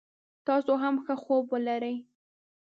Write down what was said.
تاسو هم ښه خوب ولری